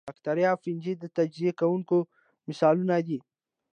باکتریا او فنجي د تجزیه کوونکو مثالونه دي